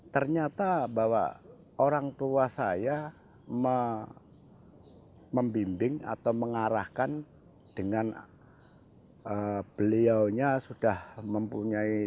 ternyata bahwa orang tua saya membimbing atau mengarahkan dengan beliaunya sudah mempunyai